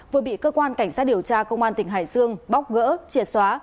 vừa bị cơ quan cảnh sát điều tra công an tỉnh hải dương bóc gỡ triệt xóa